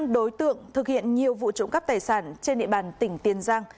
năm đối tượng thực hiện nhiều vụ trộm cắp tài sản trên địa bàn tỉnh tiền giang